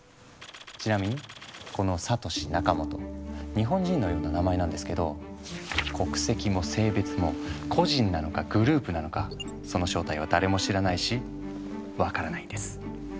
ちなみにこのサトシ・ナカモト日本人のような名前なんですけど国籍も性別も個人なのかグループなのかその正体は誰も知らないし分からないんです。